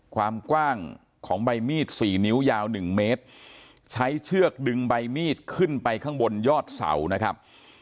ความกว้างของใบมีดสี่นิ้วยาว๑เมตรใช้เชือกดึงใบมีดขึ้นไปข้างบนยอดเสานะครับ